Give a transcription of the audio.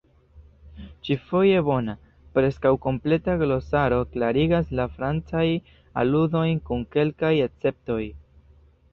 Ĉi-foje bona, preskaŭ kompleta glosaro klarigas la francajn aludojn, kun kelkaj esceptoj.